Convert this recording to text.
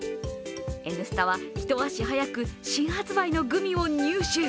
「Ｎスタ」はひと足早く新発売のグミを入手。